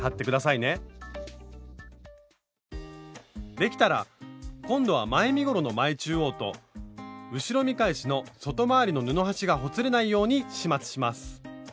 できたら今度は前身ごろの前中央と後ろ見返しの外回りの布端がほつれないように始末します。